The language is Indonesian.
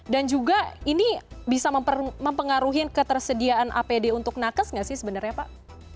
dan juga ini bisa mempengaruhi ketersediaan apd untuk nakes gak sih sebenarnya pak